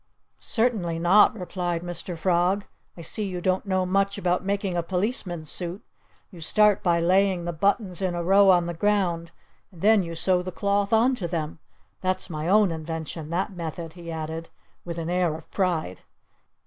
"Certainly not!" replied Mr. Frog. "I see you don't know much about making a policeman's suit. You start by laying the buttons in a row on the ground; and then you sew the cloth onto them.... That's my own invention that method," he added with an air of pride.